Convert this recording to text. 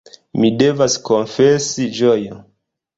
Mi devas konfesi Ĝojo.